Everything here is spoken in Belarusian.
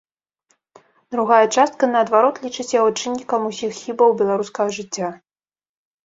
Другая частка, наадварот, лічыць яго чыннікам усіх хібаў беларускага жыцця.